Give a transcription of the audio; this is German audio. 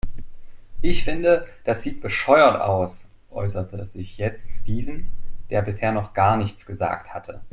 Ich finde, das sieht bescheuert aus, äußerte sich jetzt Steven, der bisher noch gar nichts gesagt hatte.